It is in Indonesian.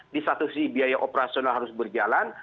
di satu sisi biaya operasional harus berjalan